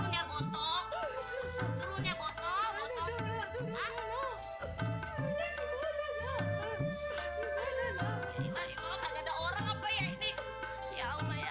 ya allah ya baru tahu nih orang bunuh diri teribet dinamat ya